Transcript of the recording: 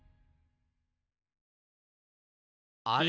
あれ？